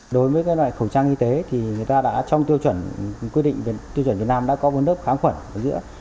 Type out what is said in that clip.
đối với loại khẩu trang y tế thì người ta đã trong tiêu chuẩn quy định về tiêu chuẩn việt nam đã có bốn lớp kháng khuẩn ở giữa